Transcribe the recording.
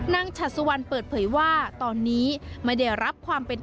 นางชาดสุวรรค์เปิดเผยว่าตอนนี้ไม่ได้รับ